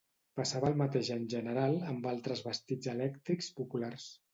Passava el mateix en general amb altres vestits elèctrics populars.